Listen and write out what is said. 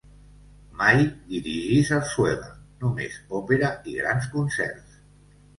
Mai dirigí sarsuela; només òpera i grans concerts.